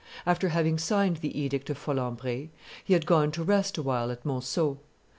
After having signed the edict of Folembray, he had gone to rest a while at Monceaux.